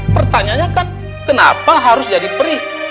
pertanyaannya kan kenapa harus jadi perih kalau tidak ada luka